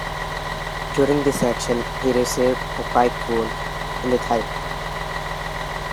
During this action, he received a pike wound in the thigh.